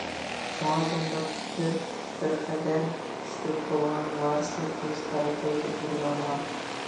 شۇڭا بۇنداق تۈر بىر قەدەر كۈچلۈك بولغان ۋارىسلىق قىلىش خاراكتېرىگە ئىگە بولالىغان.